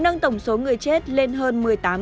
nâng tổng số người chết lên hơn một mươi tám ba trăm linh